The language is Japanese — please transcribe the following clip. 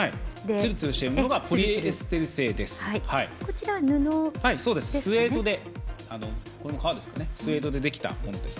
つるつるしているのがポリエステル製です。